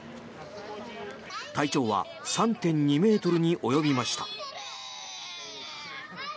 体長は３．２ｍに及びました。